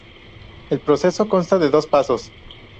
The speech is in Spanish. El proceso consta de dos pasos.